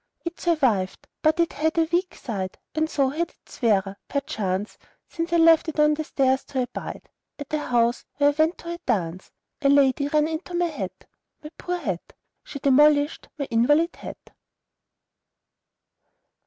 It survived, but it had a weak side, And so had its wearer, perchance, Since I left it on stairs to abide, At a house where I went to a dance. A lady ran into my hat, My poor hat! She demolished my invalid hat!